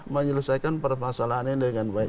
menyelesaikan permasalahan ini dengan baik